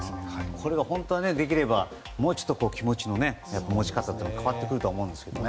これが本当はできればもうちょっと気持ちの持ち方が変わってくると思いますけどね。